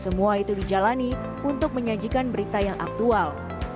semua itu dijalani untuk menyajikan berita yang aktual